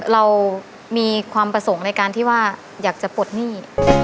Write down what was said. เรามีความประสงค์ในการที่ว่าอยากจะปลดหนี้